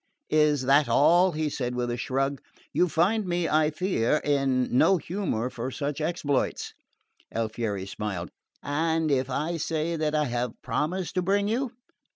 "Is that all?" he said with a shrug. "You find me, I fear, in no humour for such exploits." Alfieri smiled. "And if I say that I have promised to bring you?"